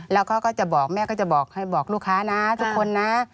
แล้วเขาก็จะบอกแม่ก็จะบอกให้บอกลูกค้านะทุกคนนะ